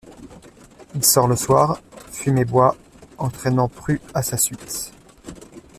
Il sort le soir, fume et boit, entraînant Pru à sa suite.